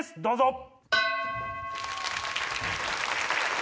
どうぞ。